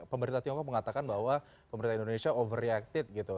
pemerintah tiongkok mengatakan bahwa pemerintah indonesia overreacted gitu